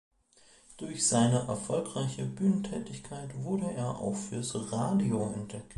Durch seine erfolgreiche Bühnentätigkeit wurde er auch fürs Radio entdeckt.